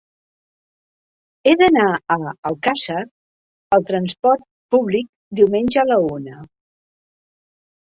He d'anar a Alcàsser amb transport públic diumenge a la una.